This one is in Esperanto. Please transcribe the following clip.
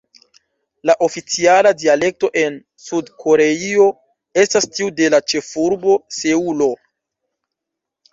La oficiala dialekto en Sud-Koreio estas tiu de la ĉefurbo Seulo.